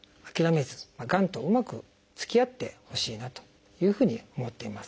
がんとうまくつきあってほしいなというふうに思っています。